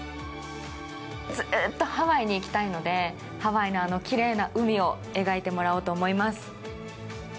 ずっとハワイに行きたいのでハワイのあの奇麗な海を描いてもらおうと思います。